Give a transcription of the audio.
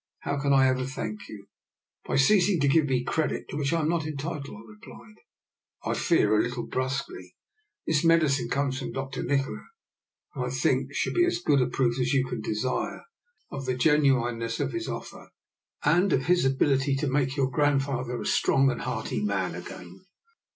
How can I ever thank you? "" By ceasing to give me credit to which I am not entitled," I replied, I fear a little brusquely. This medicine comes from Dr. Nikola, and I think should be as good a proof as you can desire of the genuineness of his offer and of his ability to make your grand father a strong and hearty man again."